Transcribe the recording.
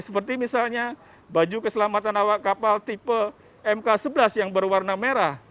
seperti misalnya baju keselamatan awak kapal tipe mk sebelas yang berwarna merah